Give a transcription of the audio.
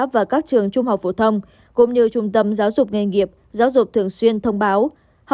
và các trường trung học phổ thông cũng như trung tâm giáo dục nghề nghiệp giáo dục thường xuyên thông báo